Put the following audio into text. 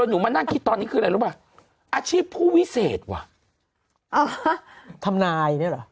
หนูมานั่งคิดตอนนี้คืออะไรรู้ป่ะอาชีพผู้วิเศษว่ะทำนายเนี่ยเหรอ